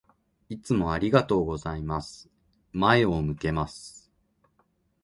いつもありがとうございます。前を向けます。